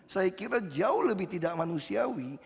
saya kira jauh lebih tidak manusiawi